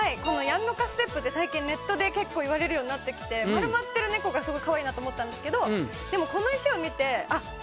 やんのかステップ最近ネットで結構言われるようになってきて丸まってる猫がすごい可愛いなと思ったんですけどでもこの石を見てあっ